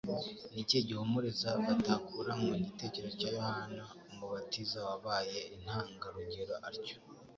ni ikihe gihumuriza batakura mu gitekerezo cya Yohana umubatiza wabaye intangarugero atyo,